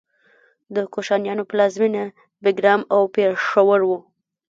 د کوشانیانو پلازمینه بګرام او پیښور و